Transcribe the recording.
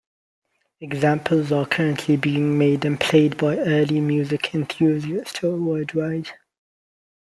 Examples are currently being made and played by early music enthusiasts worldwide.